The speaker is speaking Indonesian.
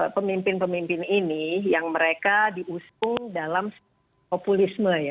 pemimpin pemimpin ini yang mereka diusung dalam populisme ya